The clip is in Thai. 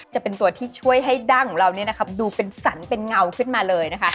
จะเป็นตัวที่ช่วยให้ดั้งของเราดูเป็นสันเป็นเงาขึ้นมาเลยนะคะ